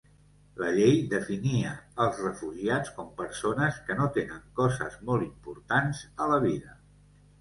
La llei definia als refugiats com persones que no tenen coses molt importants a la vida.